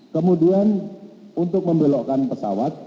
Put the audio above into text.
kemudian untuk membelokkan pesawat